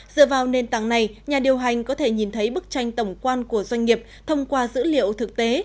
dựa vào nền tảng này nhà điều hành có thể nhìn thấy bức tranh tổng quan của doanh nghiệp thông qua dữ liệu thực tế